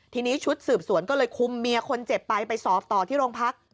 ทีนี้ชุดสืบสวนก็เลยคุมเมียคนเจ็บไปไปสอบต่อที่โรงพัก